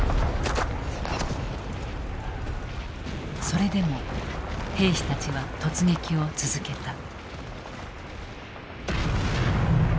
それでも兵士たちは突撃を続けた。